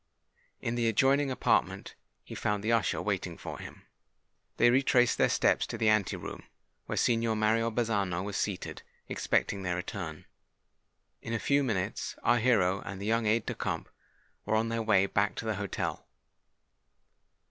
In the adjoining apartment he found the usher waiting for him. They retraced their steps to the ante room, where Signor Mario Bazzano was seated, expecting their return. In a few minutes our hero and the young aide de camp were on their way back to the hotel.